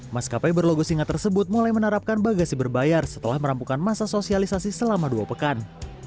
maskapai berlogo singa tersebut mulai menerapkan bagasi berbayar setelah merampukan masa sosialisasi selama dua pekan